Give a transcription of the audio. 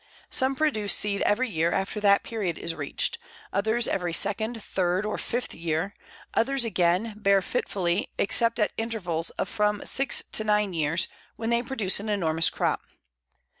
Some produce seed every year after that period is reached, others every second, third, or fifth year; others, again, bear fitfully except at intervals of from six to nine years, when they produce an enormous crop.